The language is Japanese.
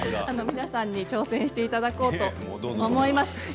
皆さんに挑戦してもらおうと思います。